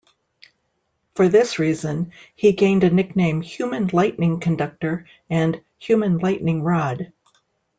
For this reason, he gained a nickname "Human Lightning Conductor" and "Human Lightning Rod".